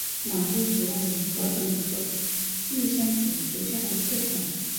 马鹿竹为禾本科玉山竹属下的一个种。